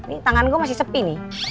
ini tangan gue masih sepi nih